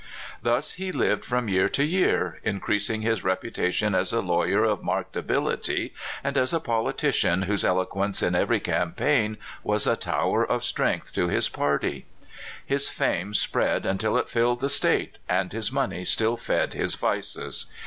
Thus he lived from year to year, in creasing his reputation as a lawyer of marked ability and as a politician whose eloquence in every campaign was a tower of strength to his party. His fame spread until it filled the State, and his money still fed his vices.